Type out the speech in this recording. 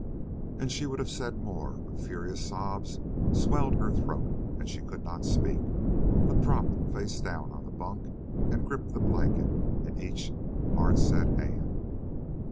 And she would have said more, but furious sobs swelled her throat and she could not speak, but dropped, face down, on the bunk and gripped the blankets in each hardset hand.